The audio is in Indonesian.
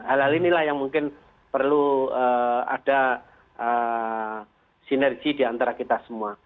hal hal inilah yang mungkin perlu ada sinergi diantara kita semua